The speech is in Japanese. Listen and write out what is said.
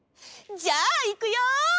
じゃあいくよ。